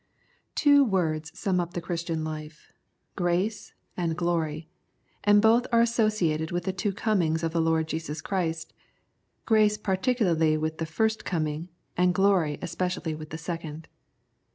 Two words sum up the Christian life — Grace and Glory ; and both are associated with the two Comings of the Lord Jesus Christ : Grace particularly with the first Coming, and Glory especially with the second.